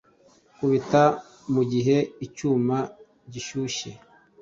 kubita mugihe icyuma gishyushye.